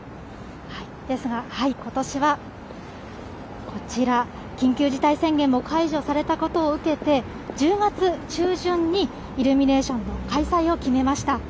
ですが、ことしはこちら、緊急事態宣言も解除されたことを受けて、１０月中旬にイルミネーションの開催を決めました。